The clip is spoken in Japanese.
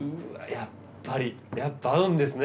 やっぱりやっぱ合うんですね